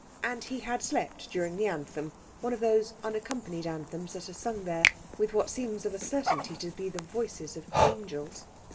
And he had slept during the anthem, one of those unaccompanied anthems that are sung there with what seem of a certainty to be the voices of angels.